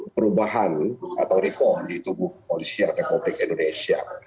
perubahan atau reform di tubuh kepolisian republik indonesia